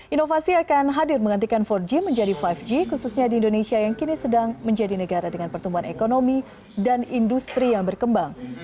inovasi akan hadir menggantikan empat g menjadi lima g khususnya di indonesia yang kini sedang menjadi negara dengan pertumbuhan ekonomi dan industri yang berkembang